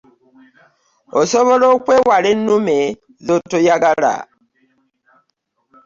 Osobola okwewala ennume z’otoyagala.